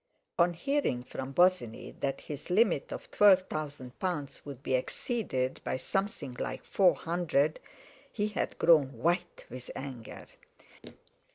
On hearing from Bosinney that his limit of twelve thousand pounds would be exceeded by something like four hundred, he had grown white with anger.